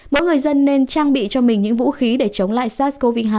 mỗi người dân nên trang bị cho mình những vũ khí để chống lại sars cov hai